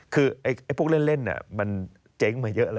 คือพวกเล่นมันเจ๊งมาเยอะแล้ว